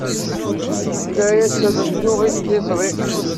La as-rennuɣ i tliẓri.